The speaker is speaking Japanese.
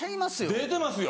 出てますよ。